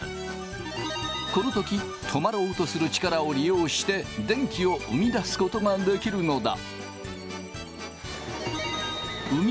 この時止まろうとする力を利用して電気を生み出すことができるのだ。